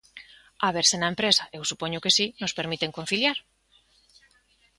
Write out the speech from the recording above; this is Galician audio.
A ver se na empresa, eu supoño que si, nos permiten conciliar.